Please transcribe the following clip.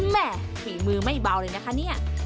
แม่ฝีมือไม่เบาเลยนะคะเนี่ย